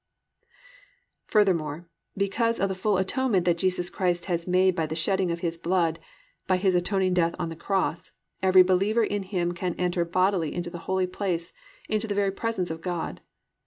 5. Furthermore, _because of the full atonement that Jesus Christ has made by the shedding of His blood, by His atoning death on the cross, every believer in Him can enter boldly into the holy place, into the very presence of God_.